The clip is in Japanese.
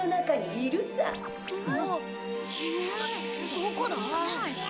どこだ？